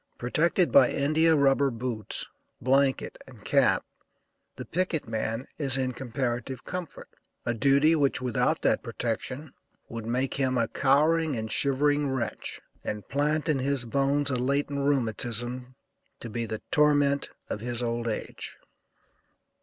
Protected by India rubber boots, blanket and cap, the picket man is in comparative comfort; a duty which, without that protection, would make him a cowering and shivering wretch, and plant in his bones a latent rheumatism, to be the torment of his old age.